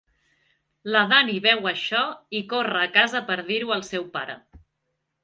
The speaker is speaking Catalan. La Dani veu això i corre a casa per dir-ho al seu pare.